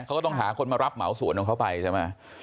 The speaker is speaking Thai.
เขาก็ต้องหาคนมารับเหมาสวนของเขาไปใช่ไหม